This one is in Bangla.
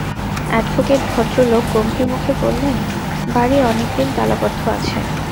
অ্যাডভোকেট ভদ্রলোক গম্ভীর মুখে বললেন, বাড়ি অনেক দিন তালাবন্ধ আছে।